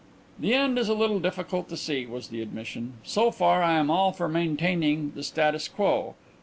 "The end is a little difficult to foresee," was the admission. "So far, I am all for maintaining the status quo.